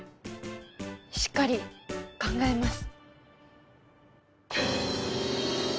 しっかり考えます。